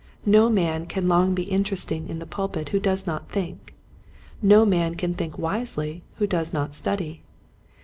No man can long be interesting in the pulpit who does not think. No man can think wisely who does not study.